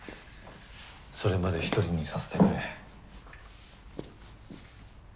それまで一人にさせてくれ。